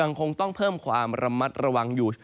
คงต้องเพิ่มความระมัดระวังอยู่